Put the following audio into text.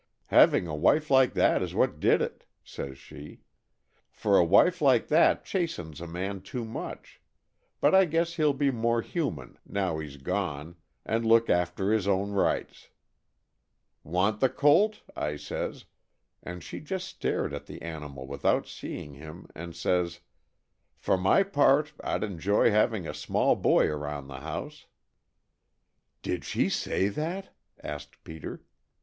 'Having a wife like that is what did it,' says she, 'for a wife like that chastens a man too much, but I guess he'll be more human now she's gone, and look after his own rights.' 'Want the colt?' I says, and she just stared at the animal without seeing him and says, 'For my part I'd enjoy having a small boy about the house.'" "Did she say that?" asked Peter.